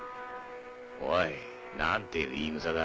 おい何ていう言い草だ。